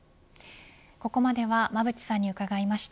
ここまでは馬渕さんに伺いました。